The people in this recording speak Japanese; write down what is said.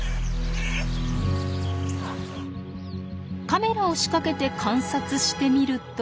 ・カメラを仕掛けて観察してみると。